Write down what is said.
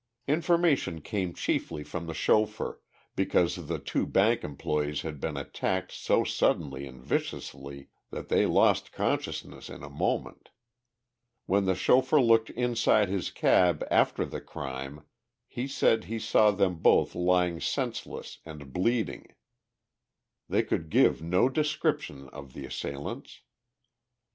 Information came chiefly from the chauffeur, because the two bank employees had been attacked so suddenly and viciously that they lost consciousness in a moment. When the chauffeur looked inside his cab after the crime, he said, he saw them both lying senseless and bleeding. They could give no description of the assailants.